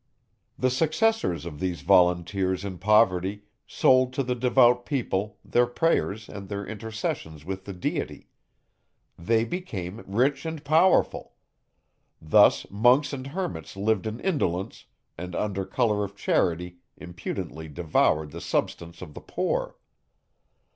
The successors of these volunteers in poverty sold to the devout people their prayers, and their intercessions with the Deity. They became rich and powerful. Thus monks and hermits lived in indolence, and under colour of charity, impudently devoured the substance of the poor.